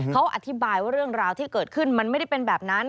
เขาอธิบายว่าเรื่องราวที่เกิดขึ้นมันไม่ได้เป็นแบบนั้น